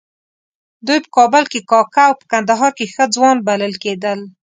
دوی په کابل کې کاکه او په کندهار کې ښه ځوان بلل کېدل.